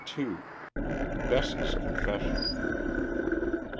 BESSIE'S CONFESSION.